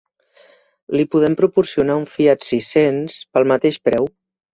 Li podem proporcionar un Fiat sis-cents pel mateix preu.